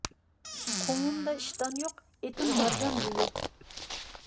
قوڭۇمدا ئىشتان يوق، ئېتىم مارجان بۈۋى.